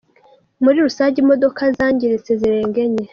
Muri rusange imodoka zangiritse zirenga enye.